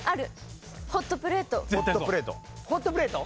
ホットプレート。